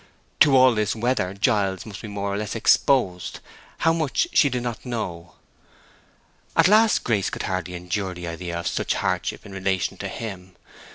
To all this weather Giles must be more or less exposed; how much, she did not know. At last Grace could hardly endure the idea of such a hardship in relation to him.